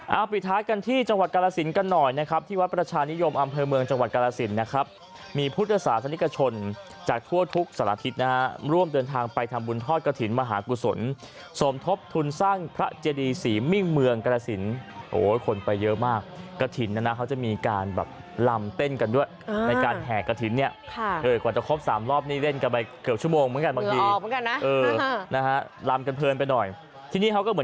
เอาปิดท้ายกันที่จังหวัดกรสินกันหน่อยนะครับที่วัดประชานิยมอำเภอเมืองจังหวัดกรสินนะครับมีพุทธศาสนิกชนจากทั่วทุกสละทิศนะฮะร่วมเดินทางไปทำบุญทอดกระถิ่นมหากุศลสมทบทุนสร้างพระเจดีสีมิ่งเมืองกรสินโอ้ยคนไปเยอะมากกระถิ่นน่ะนะเขาจะมีการแบบลำเต้นกันด้วยในการแห่งกระถิ